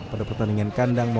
pada pertandingan kandang moongban